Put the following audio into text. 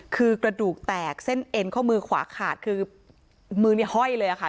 คือกระดูกแตกเส้นเอ็นข้อมือขวาขาดคือมือนี้ห้อยเลยค่ะ